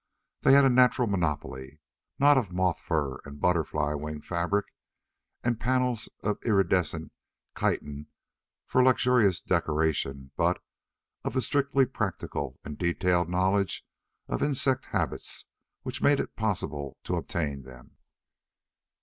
They had a natural monopoly, not of moth fur and butterfly wing fabric, and panels of irridescent chitin for luxurious decoration, but of the strictly practical and detailed knowledge of insect habits which made it possible to obtain them.